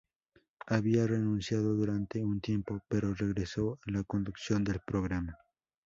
Había renunciado durante un tiempo, pero regresó a la conducción del programa.